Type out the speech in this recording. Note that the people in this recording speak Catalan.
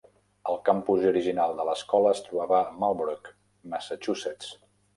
El campus original de l'escola es trobava a Marlborough, Massachusetts.